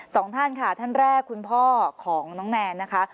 สองท่านค่ะท่านแรกคุณพ่อของน้องแนนนะคะ